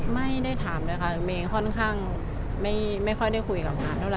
ไม่ได้ถามเลยค่ะมีค่อนข้างไม่ค่อยได้คุยกับมัน